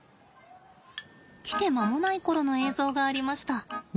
来て間もない頃の映像がありました。